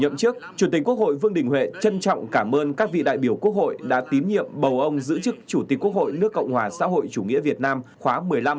nhiệm chức chủ tịch quốc hội vương đình huệ trân trọng cảm ơn các vị đại biểu quốc hội đã tín nhiệm bầu ông giữ chức chủ tịch quốc hội nước cộng hòa xã hội chủ nghĩa việt nam khóa một mươi năm